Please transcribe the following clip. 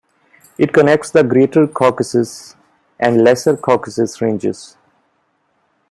It connects the Greater Caucasus and Lesser Caucasus ranges.